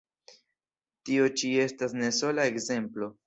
Tio ĉi estas ne sola ekzemplo.